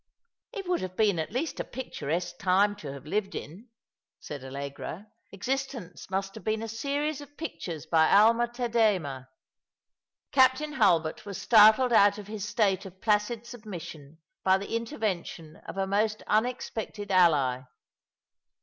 " It would have been at least a picturesque time to have lived in," said Allegra. " Existence must have been a series of pictures by Alma Tadema." Captain Hulbert was startled out of his state of placid submission by the intervention of a most unexpected ally.